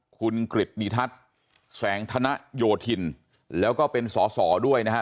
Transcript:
คุณกริจนิทัศน์แสงธนโยธินแล้วก็เป็นสอสอด้วยนะฮะ